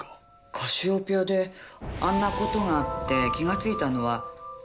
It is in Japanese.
カシオペアであんな事があって気がついたのはその日の夜。